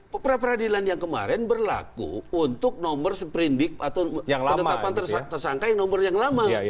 pra peradilan yang kemarin berlaku untuk nomor seprindik atau penetapan tersangka yang nomor yang lama